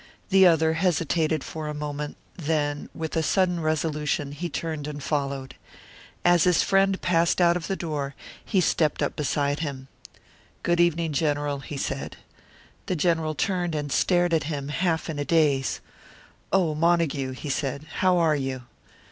The other hesitated for a moment, then, with a sudden resolution, he turned and followed. As his friend passed out of the door, he stepped up beside him. "Good evening, General," he said. The General turned and stared at him, half in a daze. "Oh, Montague!" he said. "How are you?"